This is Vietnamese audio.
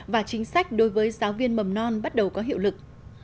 và chính sách đối với giáo viên mầm non bắt đầu có hiệu lực